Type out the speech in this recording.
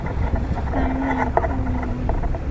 担任右后卫。